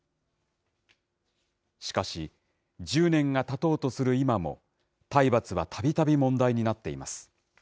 しかし、１０年がたとうとする今も、体罰はたびたび問題になっています。